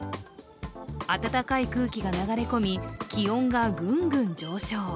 暖かい空気が流れ込み気温がぐんぐん上昇。